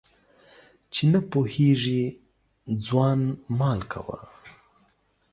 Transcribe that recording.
چي نه پوهېږي ځوان مال کوه.